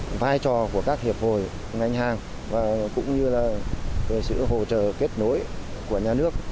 ngoại trò của các hiệp hồi ngành hàng và cũng như là về sự hỗ trợ kết nối của nhà nước